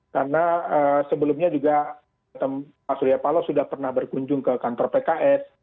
karena sebelumnya juga pak surya paloh sudah pernah berkunjung ke kantor pks